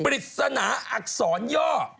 ปริศนาอักษรย่อ